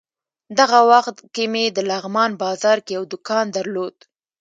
دغه وخت کې مې د لغمان بازار کې یو دوکان درلود.